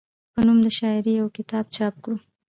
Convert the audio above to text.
پۀ نوم د شاعرۍ يو کتاب چاپ کړو،